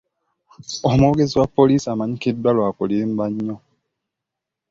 Omwogezi wa poliisi amanyikiddwa lwa kulimba nnyo.